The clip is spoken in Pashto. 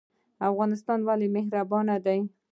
افغانان ولې مهربان دي؟